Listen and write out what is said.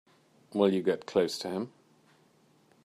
Will you get close to him?